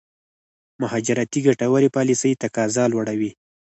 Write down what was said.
مهاجرتي ګټورې پالېسۍ تقاضا لوړوي.